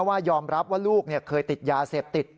ว่ายอมรับว่าลูกเคยติดยาเสพติด